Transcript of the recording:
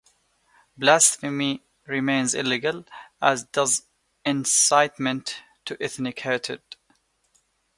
Blasphemy remains illegal, as does incitement to ethnic hatred.